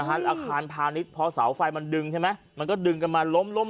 อาคารพาณิชย์พอเสาไฟมันดึงใช่ไหมมันก็ดึงกันมาล้มล้ม